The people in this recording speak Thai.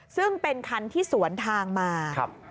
ซึ่งเป็นคันที่สวนทางมา